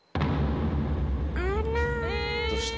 どうした？